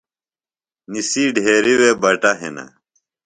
نِسی ڈھیرِیۡ وے بٹہ ہِنہ۔